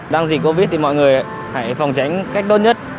đang dịch covid thì mọi người hãy phòng tránh cách tốt nhất